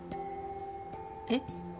えっ？